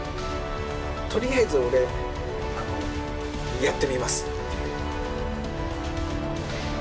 とりあえず俺、やってみます。